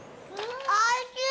おいしい！